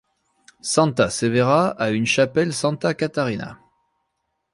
Santa Severa a une chapelle Santa Catarina.